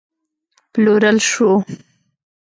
پلورل شو